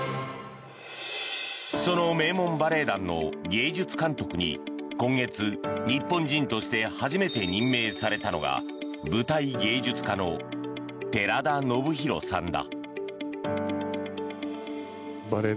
その名門バレエ団の芸術監督に今月、日本人として初めて任命されたのが舞台芸術家の寺田宜弘さんだ。